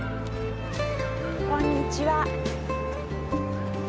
こんにちは。